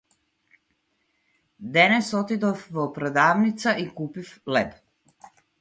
Денес отидов во продавница и купив леб.